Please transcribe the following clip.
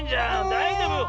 だいじょうぶ？